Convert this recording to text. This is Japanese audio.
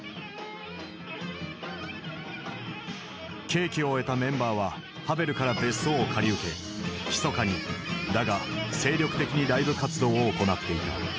刑期を終えたメンバーはハヴェルから別荘を借り受けひそかにだが精力的にライブ活動を行っていた。